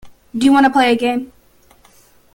Do you want to play a game.